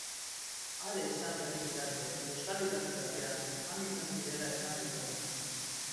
Are, esan berri didate euskal irrati batean han izan zirela esan dutela.